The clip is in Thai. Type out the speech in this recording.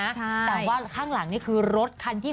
แต่ว่าข้างหลังนี่คือรถคันที่๓